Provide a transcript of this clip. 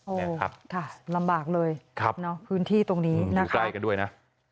โอ้โหค่ะลำบากเลยพื้นที่ตรงนี้นะคะใกล้กันด้วยนะ